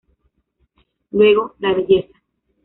Luego, la belleza.